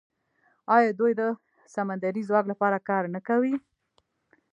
آیا دوی د سمندري ځواک لپاره کار نه کوي؟